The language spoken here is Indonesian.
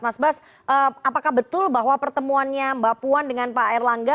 mas bas apakah betul bahwa pertemuannya mbak puan dengan pak erlangga